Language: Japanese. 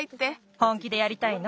本気でやりたいの？